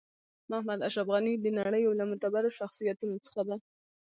محمد اشرف غنی د نړۍ یو له معتبرو شخصیتونو څخه ده .